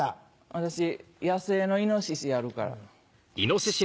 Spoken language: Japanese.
私野生のイノシシやるから。